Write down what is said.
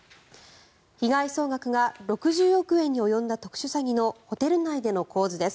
被害総額が６０億円に及んだ特殊詐欺のホテル内での構図です。